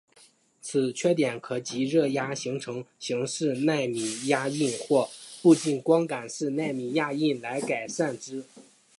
此缺点可藉热压成形式奈米压印或步进光感式奈米压印来改善之。